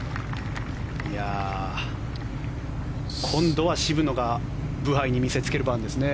今度は渋野がブハイに見せつける番ですね。